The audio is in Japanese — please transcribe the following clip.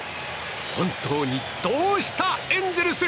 本当にどうした、エンゼルス。